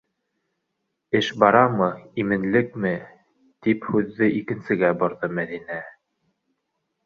Эш барамы, именлекме? - тип һүҙҙе икенсегә борҙо Мәҙинә.